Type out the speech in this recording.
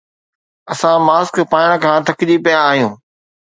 اسان ماسڪ پائڻ کان ٿڪجي پيا آهيون